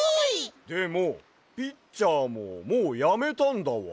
でもピッチャーももうやめたんだわ。